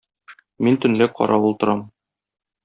Мин төнлә каравыл торам.